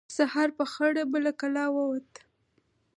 سهار په خړه به له کلا ووت.